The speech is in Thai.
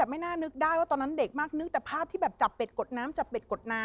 เรื่องกำทั่วแต่เด็ก